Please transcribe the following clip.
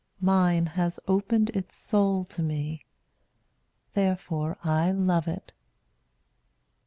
Mine has opened its soul to me; therefore I love it.